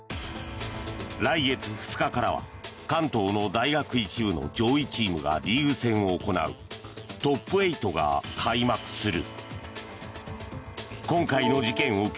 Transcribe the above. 来月２日からは関東の大学１部の上位チームがリーグ戦を行うＴＯＰ８が開幕する。